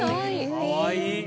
かわいい。